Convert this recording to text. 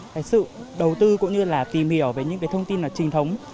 cái sự đầu tư cũng như là tìm hiểu về những cái thông tin nó chính thống